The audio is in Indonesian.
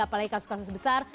apalagi kasus kasus besar